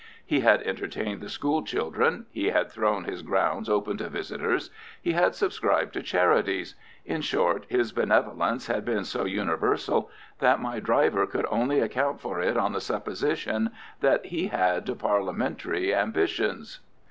He had entertained the school children, he had thrown his grounds open to visitors, he had subscribed to charities—in short, his benevolence had been so universal that my driver could only account for it on the supposition that he had Parliamentary ambitions.